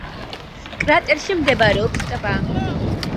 კრატერში მდებარეობს ტბა.